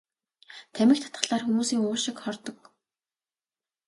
Тамхи татахлаар хүмүүсийн уушиг хордог.